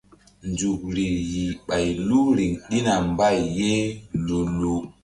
Nzukri yih ɓay lu riŋ ɗina mbay ye lu-lu.